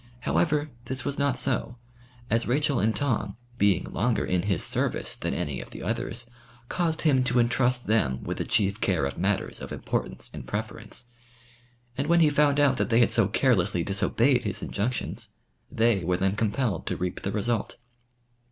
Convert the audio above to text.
However, this was not so, as Rachel and Tom, being longer in his service than any of the others, caused him to intrust them with the chief care of matters of importance in preference. And when he found out that they had so carelessly disobeyed his injunctions, they were then compelled to reap the result.